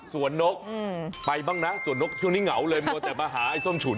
ส่วนนกไปบ้างนะสวนนกช่วงนี้เหงาเลยมัวแต่มาหาไอ้ส้มฉุน